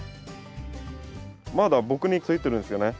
まだ僕についてるんですよね。